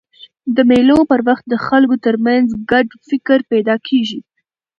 د مېلو پر وخت د خلکو ترمنځ ګډ فکر پیدا کېږي.